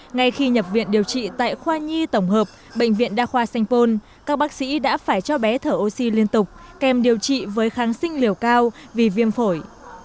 ngay khi nhập viện điều trị tại khoa nhi tổng hợp bệnh viện đa khoa sanh pôn các bác sĩ đã phải cho bé thở oxy liên tục kèm điều trị với kháng sinh liều cao vì viêm phổi